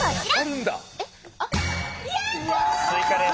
スイカです。